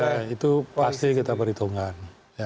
ya itu pasti kita perhitungkan